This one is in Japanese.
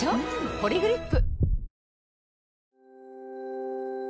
「ポリグリップ」